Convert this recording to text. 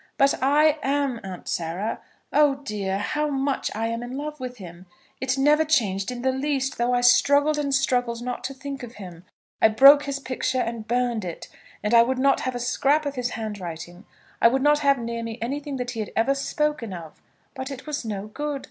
"But I am, Aunt Sarah. Oh dear, how much I am in love with him! It never changed in the least, though I struggled, and struggled not to think of him. I broke his picture and burned it; and I would not have a scrap of his handwriting; I would not have near me anything that he had even spoken of. But it was no good.